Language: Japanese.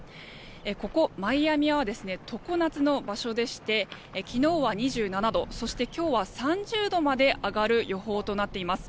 ここ、マイアミは常夏の場所でして昨日は２７度そして今日は３０度まで上がる予報となっています。